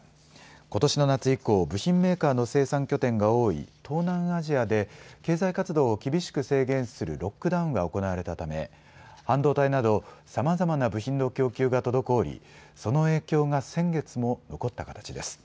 ことしの夏以降、部品メーカーの生産拠点が多い東南アジアで経済活動を厳しく制限するロックダウンが行われたため半導体などさまざまな部品の供給が滞りその影響が先月も残った形です。